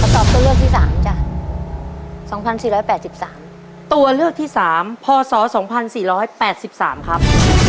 ตอบตัวเลือกที่๓จ้ะ๒๔๘๓ตัวเลือกที่๓พศ๒๔๘๓ครับ